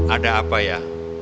ada apa ya